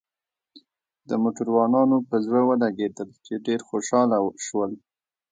د موټروانانو په زړه ولګېدل، چې ډېر خوشاله شول.